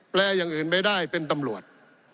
อย่างอื่นไม่ได้เป็นตำรวจ